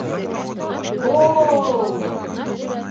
Го-о-л!